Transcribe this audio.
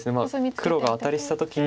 黒がアタリした時に。